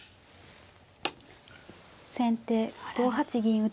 先手５八銀打。